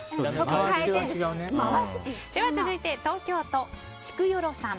続いて東京都の方。